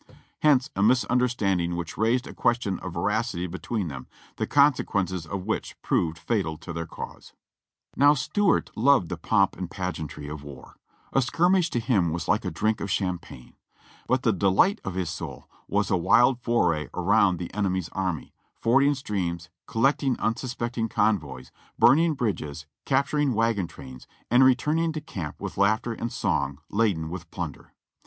Hence a misunderstanding which raised a question of veracity between them, the consequences of which proved fatal to their cause." ("Battle of Gettysburg," p. 61.) Now Stuart loved the pomp and pageantry of war ; a skirmish to him was like a drink of champagne; but the delight of his soul was a wild foray around the enemy's army, fording streams, collecting unsuspecting convoys, burning l>ridges. capturing wagon trains, and returning to camp w'ith laughter and song, laden with plunder.